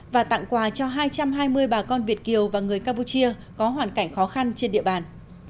và tặng quà cho hai trăm hai mươi bà con việt kiều và người campuchia có hoàn cảnh khó khăn trên địa bàn